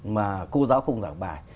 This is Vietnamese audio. mà cô giáo không giảng bài